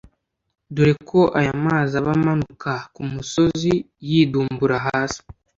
dore ko aya mazi aba amanuka ku musozi yidumbura hasi